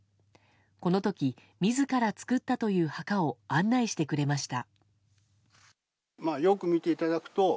この時、自ら作ったという墓を案内してくれました。